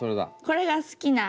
これが好きな。